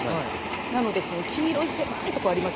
なのでその黄色い狭いとこありますよね。